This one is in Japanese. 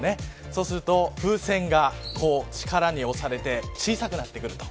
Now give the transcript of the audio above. そうすると風船が力に押されて小さくなってくると。